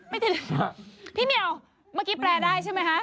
พี่เมียวเมื่อกี้แปลได้ใช่ไหมคะ